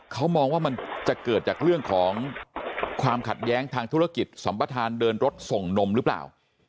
เขามองว่ามันจะเกิดจากเรื่องของความขัดแย้งทางธุรกิจสัมประธานเดินรถส่งนมหรือเปล่า